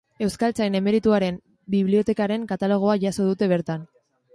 Euskaltzain emerituaren bibliotekaren katalogoa jaso dute bertan.